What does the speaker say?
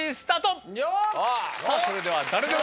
さぁそれでは誰でも。